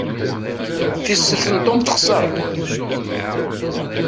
Tisellet n Tom texser.